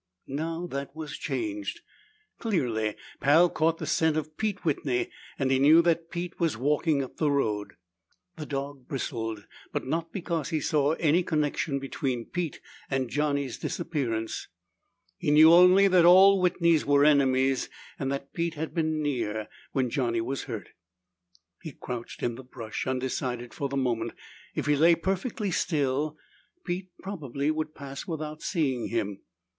Now that was changed. Clearly Pal caught the scent of Pete Whitney and he knew that Pete was walking up the road. The dog bristled, but not because he saw any connection between Pete and Johnny's disappearance. He knew only that all Whitneys were enemies and that Pete had been near when Johnny was hurt. He crouched in the brush, undecided for the moment. If he lay perfectly still, Pete probably would pass without seeing him.